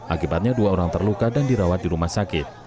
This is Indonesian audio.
akibatnya dua orang terluka dan dirawat di rumah sakit